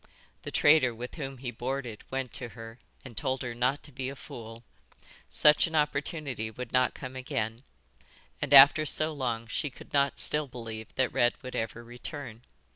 The trader with whom he boarded went to her and told her not to be a fool; such an opportunity would not come again, and after so long she could not still believe that Red would ever return.